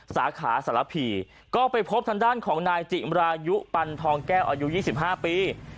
สาขาสารพีก็ไปพบทางด้านของนายจิมรายุปันทองแก้วอายุ๒๕ปี